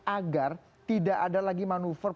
agar tidak ada lagi manuver